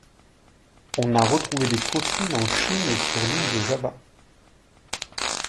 On a retrouvé des fossiles en Chine et sur l'île de Java.